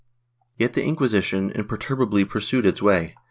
^ Yet the Inquisition imperturbably pursued its way.